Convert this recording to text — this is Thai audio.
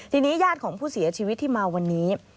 ทีนี้ญาติของผู้เสียชีวิตที่มาวันนี้